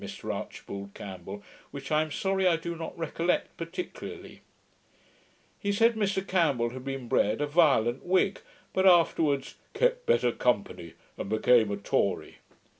He afterwards gave a full history of Mr Archibald Campbell, which I am sorry I do not recollect particularly. He said, Mr Campbell had been bred a violent Whig, but afterwards 'kept BETTER COMPANY, and became a Tory'.